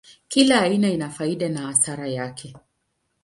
Kila aina ina faida na hasara yake.